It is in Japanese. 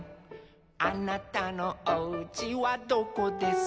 「あなたのおうちはどこですか」